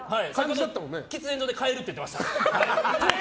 喫煙所で変えるって言ってました。